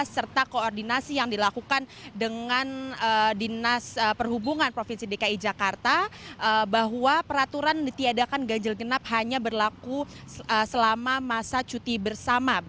serta koordinasi yang dilakukan dengan dinas perhubungan provinsi dki jakarta bahwa peraturan ditiadakan ganjil genap hanya berlaku selama masa cuti bersama